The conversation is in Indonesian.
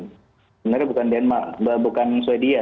sebenarnya bukan denmark bukan sweden